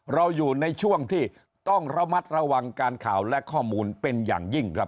เราอยู่ในช่วงที่ต้องระมัดระวังการข่าวและข้อมูลเป็นอย่างยิ่งครับ